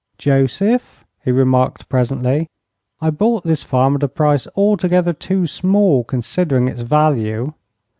"Joseph," he remarked, presently, "I bought this farm at a price altogether too small, considering its value."